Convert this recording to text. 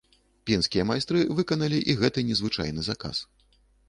Пінскія майстры выканалі і гэты незвычайны заказ.